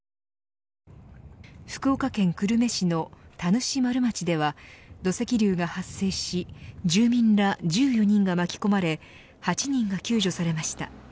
福岡県久留米市の田主丸町では土石流が発生し住民ら１４人が巻き込まれ８人が救助されました。